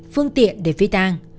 phương tiện để phi tang